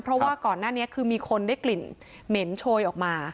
เพราะว่าก่อนหน้านี้คือมีคนได้กลิ่นเหม็นโชยออกมา